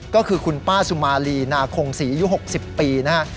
ก็คือคุณป้าสุมาลีนาคงศรียุคหกสิบปีนะฮะ